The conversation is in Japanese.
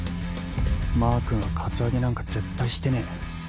まークンはカツアゲなんか絶対してねえ。